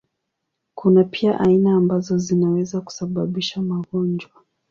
Kuna pia aina ambazo zinaweza kusababisha magonjwa.